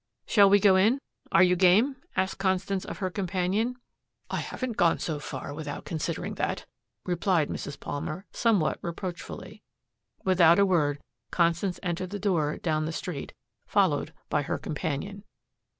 "Shall we go in? Are you game?" asked Constance of her companion. "I haven't gone so far without considering that," replied Mrs. Palmer, somewhat reproachfully. Without a word Constance entered the door down the street followed by her companion.